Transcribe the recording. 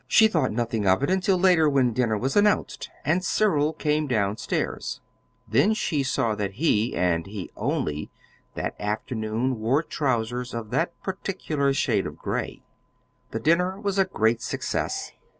She thought nothing of it until later when dinner was announced, and Cyril came down stairs; then she saw that he, and he only, that afternoon wore trousers of that particular shade of gray. The dinner was a great success.